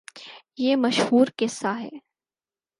یہ مشہورقصہ ہے۔